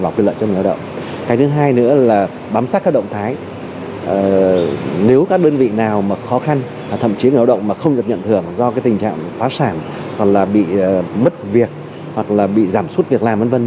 bên cạnh nếu các đơn vị nào khó khăn thậm chí người lao động mà không được nhận thưởng do tình trạng phá sản bất việc giảm suất việc làm